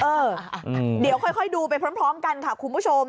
เออเดี๋ยวค่อยดูไปพร้อมกันค่ะคุณผู้ชม